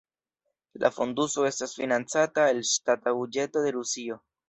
La fonduso estas financata el ŝtata buĝeto de Rusio.